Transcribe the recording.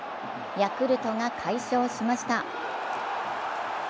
ヤクルトが快勝しました。